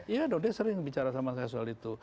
iya dong dia sering bicara sama saya soal itu